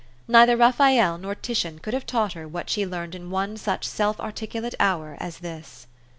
Neither Raphael nor Titian could have taught her what she learned in one such self articu~ late hour as this.